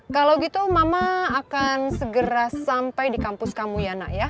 kalau gitu mama akan segera sampai di kampus kamu ya nak ya